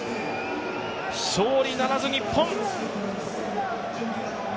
勝利ならず、日本。